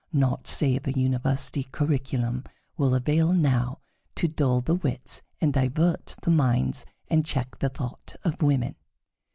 Naught save a university curriculum will avail now to dull the wits and divert the minds and check the thought of women."